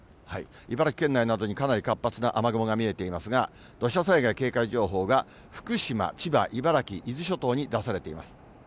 茨城県内などにかなり活発な雨雲が見えていますが、土砂災害警戒情報が福島、千葉、茨城、伊豆諸島に出されています。